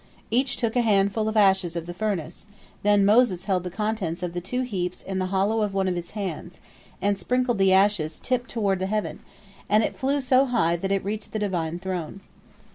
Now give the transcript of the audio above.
Each took a handful of ashes of the furnace, then Moses held the contents of the two heaps in the hollow of one of his hands, and sprinkled the ashes tip toward the heaven, and it flew so high that it reached the Divine throne.